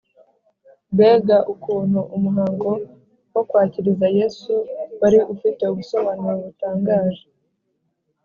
. Mbega ukuntu umuhango wo kwakiriza Yesu wari ufite ubusobanuro butangaje